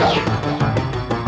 aku akan menangkapmu